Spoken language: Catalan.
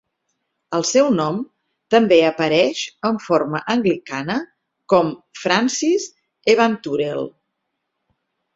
El seu nom també apareix en forma anglicana com Francis Evanturel.